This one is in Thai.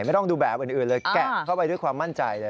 ไม่ต้องดูแบบอื่นเลยแกะเข้าไปด้วยความมั่นใจเลย